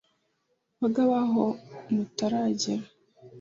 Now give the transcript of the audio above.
bagabo aho mutaragera